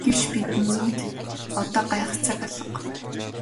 Гэвч бидэнд одоо гайхах цаг алга.